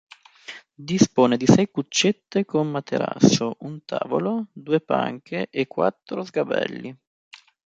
Dispone di sei cuccette con materasso, un tavolo, due panche e quattro sgabelli.